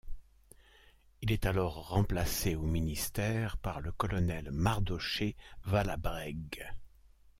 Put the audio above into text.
Il est alors remplacé au ministère par le colonel Mardochée Valabrègue.